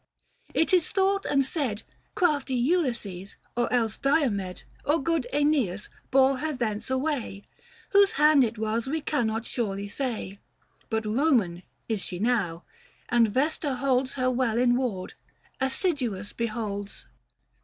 It is thought and said Crafty Ulysses, or else Diomed, Or good iEneas, bore her thence away ; Whose hand it was, we cannot surely say ; But Koman is she now, and Vesta holds 515 Her well in ward, assiduous beholds 192 THE FASTI.